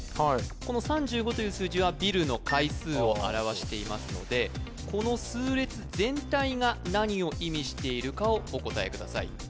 この３５という数字はビルの階数を表していますのでこの数列全体が何を意味しているかをお答えください